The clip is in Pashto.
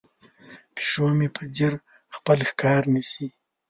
پیشو مې په ځیر خپل ښکار نیسي.